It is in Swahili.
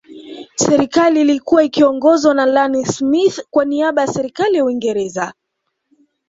Serikali iIlikua ikiiongozwa na Ian Smith kwa niaba ya Serikali ya Uingereza